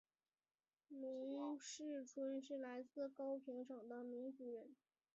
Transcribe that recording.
农氏春是来自高平省的侬族人。